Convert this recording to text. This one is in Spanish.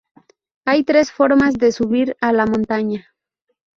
Hay tres formas de subir a la montaña.